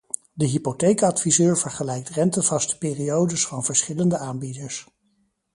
De hypotheekadviseur vergelijkt rentevaste periodes van verschillende aanbieders.